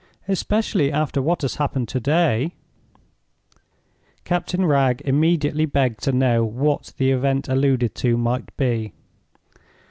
"Especially after what has happened to day." Captain Wragge immediately begged to know what the event alluded to might be.